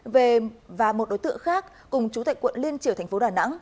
và một đối tượng khác cùng chủ tịch quận liên triều tp đà nẵng